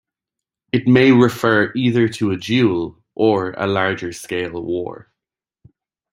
It may refer either to a duel or a larger scale war.